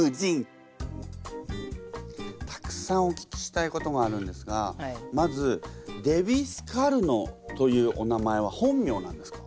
たくさんお聞きしたいことがあるんですがまずデヴィ・スカルノというお名前は本名なんですか？